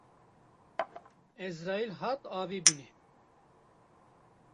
Ezraîl hat avê bîne